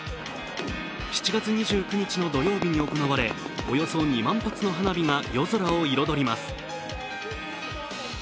７月２９日の土曜日に行われ、およそ２万発の花火が夜空を彩ります。